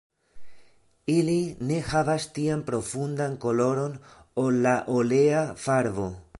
Ili ne havas tian profundan koloron ol la olea farbo.